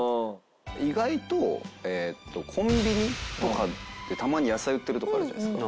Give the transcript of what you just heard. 意外とコンビニとかでたまに野菜売ってるとこあるじゃないですか。